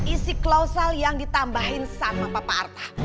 isi klausel yang ditambahin sama papa arta